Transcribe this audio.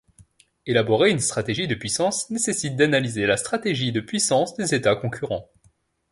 Élaborer une stratégie de puissance nécessite d'analyser la stratégie de puissance des États concurrents.